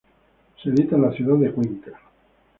Se edita en la ciudad de Cuenca.